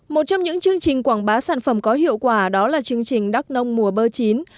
một trong những chương trình quảng bá sản phẩm có hiệu quả đó là chương trình đắk nông mùa bơ chín